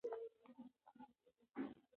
خټکی د خوند او ګټې له مخې ځانګړی ځای لري.